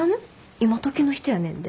今時の人やねんで。